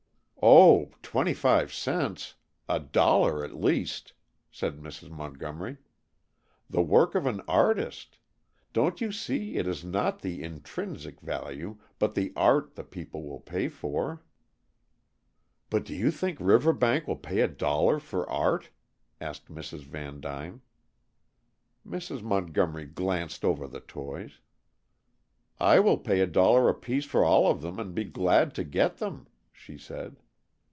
"Oh! twenty five cents! A dollar at least," said Mrs. Montgomery. "The work of an artist. Don't you see it is not the intrinsic value but the art the people will pay for?" "But do you think Riverbank will pay a dollar for art?" asked Mrs. Vandyne. Mrs. Montgomery glanced over the toys. "I will pay a dollar apiece for all of them, and be glad to get them," she said.